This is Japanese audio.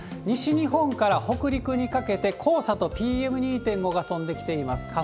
西日本から北陸にかけて、黄砂とＰＭ２．５が飛んできています。